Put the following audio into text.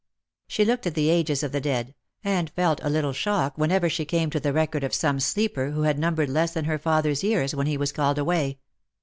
She looked at the ages of the dead, and felt a little shock whenever she came to the record of some sleeper who had numbered less than her father's years when he was called away.